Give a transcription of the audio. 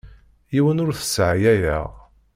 Yiwen ur t-sseɛyayeɣ.